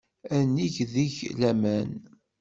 Ad neg deg-k laman.